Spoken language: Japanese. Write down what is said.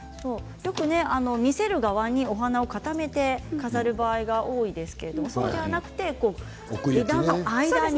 見せる側にお花を固めて飾る場合が多いですけれどもそうではなくて、間に。